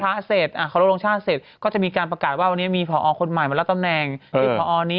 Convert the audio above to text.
ไหว้พระเสร็จเขารพโรงชาติเสร็จก็จะมีการประกาศว่าวันนี้มีผอคนใหม่มารัฐตำแหน่ง